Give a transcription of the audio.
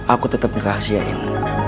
aku tetap ngekahasiain